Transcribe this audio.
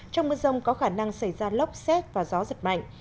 trong mưa rông có khả năng xảy ra lốc xét và gió giật mạnh